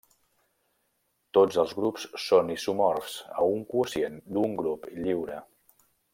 Tots els grups són isomorfs a un quocient d'un grup lliure.